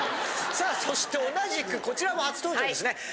さあそして同じくこちらも初登場ですね。